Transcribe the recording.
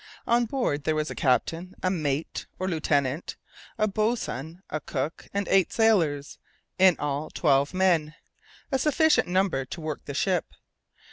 On board there was a captain, a mate, or lieutenant, a boatswain, a cook, and eight sailors; in all twelve men, a sufficient number to work the ship.